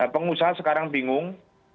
pengusaha sekarang bingung